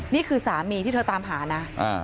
นี่คือสามีที่เธอตามหานะ